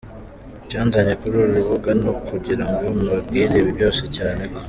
Icyanzanye kuri uru rubuga ni ukugira ngo mbabwire ibi byose cyane ko.